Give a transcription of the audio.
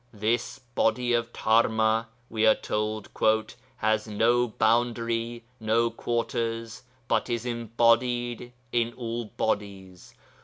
'This Body of Dharma,' we are told, 'has no boundary, no quarters, but is embodied in all bodies....